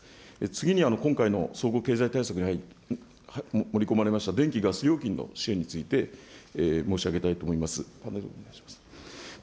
次に今回の総合経済対策に盛り込まれました、電気・ガス料金の支援について申し上げたいと思います。